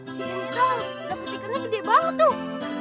si hito dapet ikannya gede banget tuh